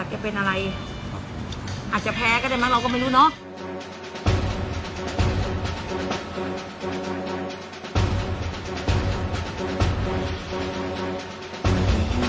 จะเป็นอะไรอาจจะแพ้ก็ได้มั้งเราก็ไม่รู้เนาะ